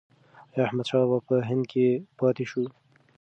ایا احمدشاه بابا په هند کې پاتې شو؟